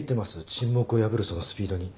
沈黙を破るそのスピードに。